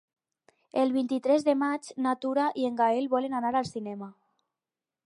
El vint-i-tres de maig na Tura i en Gaël volen anar al cinema.